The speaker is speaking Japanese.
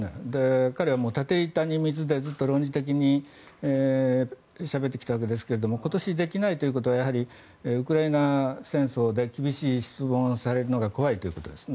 彼は立て板に水でずっと論理的にしゃべってきたわけですが今年できないということはウクライナ戦争で厳しい質問をされるのが怖いということですね。